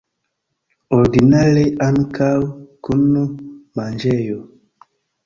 Ordinare ankaŭ kun manĝejo.